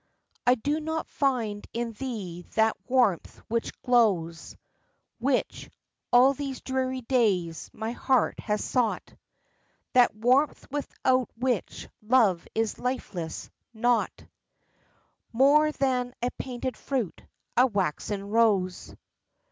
I do not find in thee that warmth which glows, Which, all these dreary days, my heart has sought, That warmth without which love is lifeless, naught More than a painted fruit, a waxen rose.